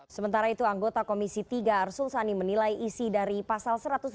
sementara itu anggota komisi tiga arsul sani menilai isi dari pasal satu ratus enam puluh